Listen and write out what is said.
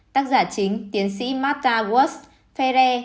tác giả chính tiến sĩ martha wurst ferrer